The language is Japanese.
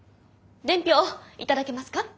伝票頂けますか？